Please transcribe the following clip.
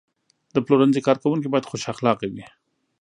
د پلورنځي کارکوونکي باید خوش اخلاقه وي.